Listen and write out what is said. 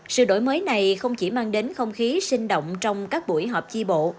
sự đổi mới này không chỉ mang đến không khí sinh động trong các buổi họp chi bộ